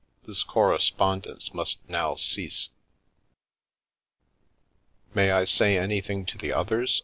This correspondence must now cease." " May I say anything to the others?